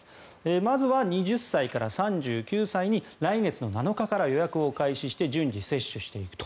まずは２０歳から３９歳に来月の７日から予約を開始して順次接種していくと。